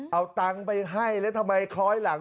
เอาตังค์ไปให้แล้วทำไมคล้อยหลัง